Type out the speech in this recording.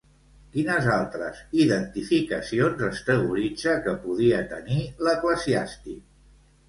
Quines altres identificacions es teoritza que podia tenir l'eclesiàstic?